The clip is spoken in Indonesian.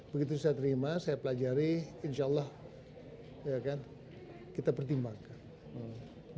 begitu saya terima saya pelajari insya allah kita pertimbangkan